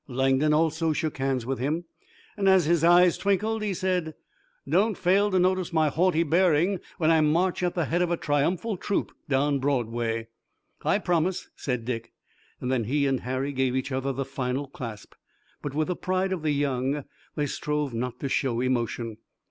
Langdon also shook hands with him, and as his eyes twinkled he said: "Don't fail to notice my haughty bearing when I march at the head of a triumphal troop down Broadway!" "I promise," said Dick. Then he and Harry gave each other the final clasp. But with the pride of the young they strove not to show emotion.